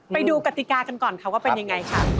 ไปดูกติกากันก่อนค่ะว่าเป็นยังไงค่ะ